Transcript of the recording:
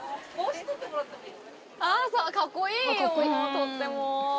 とっても。